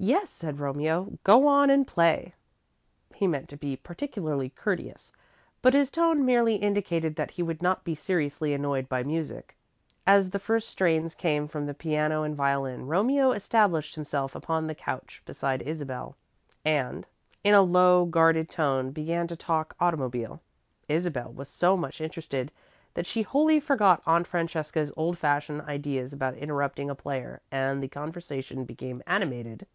"Yes," said Romeo, "go on and play." He meant to be particularly courteous, but his tone merely indicated that he would not be seriously annoyed by music. As the first strains came from the piano and violin, Romeo established himself upon the couch beside Isabel, and, in a low, guarded tone, began to talk automobile. Isabel was so much interested that she wholly forgot Aunt Francesca's old fashioned ideas about interrupting a player, and the conversation became animated.